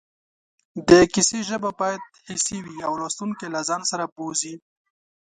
د کیسې ژبه باید حسي وي او لوستونکی له ځان سره بوځي